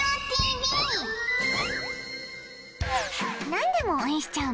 何でも応援しちゃう